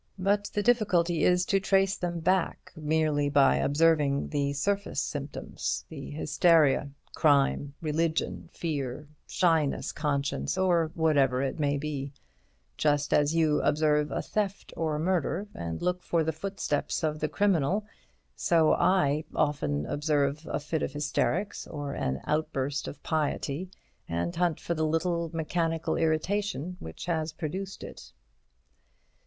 But the difficulty is to trace them back, merely by observing the surface symptoms—the hysteria, crime, religion, fear, shyness, conscience, or whatever it may be; just as you observe a theft or a murder and look for the footsteps of the criminal, so I observe a fit of hysterics or an outburst of piety and hunt for the little mechanical irritation which has produced it."